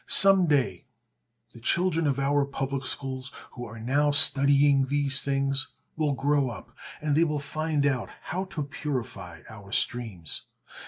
Some day the children of our public schools, who are now studying these things, will grow up, and they will find out how to purify our streams.